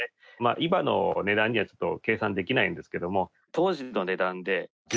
今の値段にはちょっと計算できないんですけども。